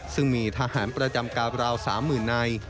ซึ่งมีทหารประจำกาบราว๓๐๐๐นาย